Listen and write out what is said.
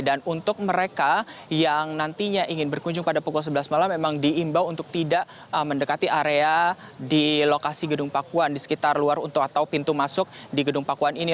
dan untuk mereka yang nantinya ingin berkunjung pada pukul sebelas malam memang diimbau untuk tidak mendekati area di lokasi gedung pakuan di sekitar luar untuk atau pintu masuk di gedung pakuan ini